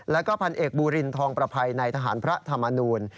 แล้วก็พันเอกบูรินทองประภัยในทหารพระธรรมนูล